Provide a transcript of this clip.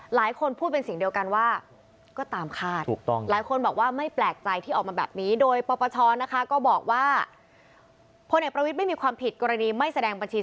หลายคนพูดเป็นสิ่งเดียวกันว่าก็ตามคลาด